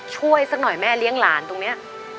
ช่วยสักหน่อยแม่เลี้ยงหลานตรงนี้